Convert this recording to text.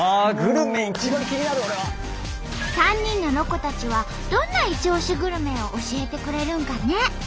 ３人のロコたちはどんなイチオシグルメを教えてくれるんかね？